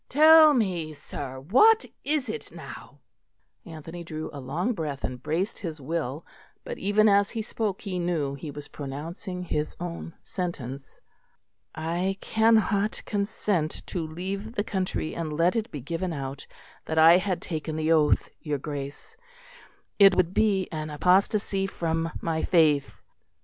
"Tell me, sir; what is it now?" Anthony drew a long breath and braced his will, but even as he spoke he knew he was pronouncing his own sentence. "I cannot consent to leave the country and let it be given out that I had taken the oath, your Grace. It would be an apostasy from my faith."